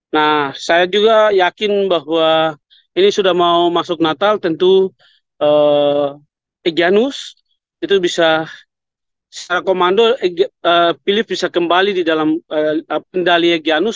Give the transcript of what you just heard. nah saya juga yakin bahwa ini sudah mau masuk natal tentu egyanus itu bisa secara komando philip bisa kembali di dalam pendali egyanus